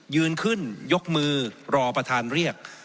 ยืนขึ้นยกมือรอประธานเรียก